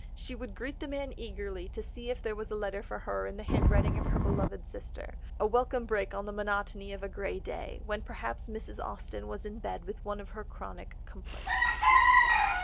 She would greet the man eagerly to see if there was a letter for her in the handwriting of her beloved sister,—a welcome break on the monotony of a grey day, when perhaps Mrs. Austen was in bed with one of her chronic complaints.